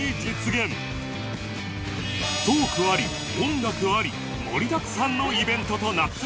トークあり音楽あり盛りだくさんのイベントとなった